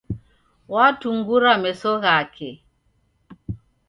Watungura meso ghake.